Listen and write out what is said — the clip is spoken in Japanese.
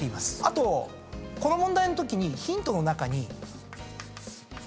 あとこの問題のときにヒントの中に。